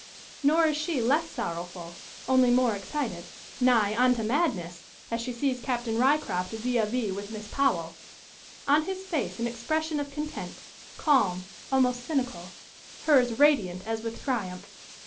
Nor is she less sorrowful, only more excited; nigh unto madness, as she sees Captain Ryecroft vis a vis with Miss Powell; on his face an expression of content, calm, almost cynical; hers radiant as with triumph!